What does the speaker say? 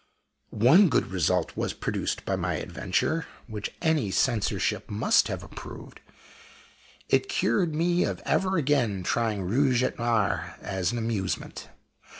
One good result was produced by my adventure, which any censorship must have approved: it cured me of ever again trying "Rouge et Noir" as an amusement.